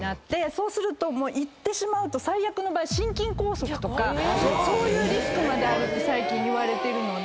そうするといってしまうと最悪の場合心筋梗塞とかそういうリスクまであるって最近いわれてるので。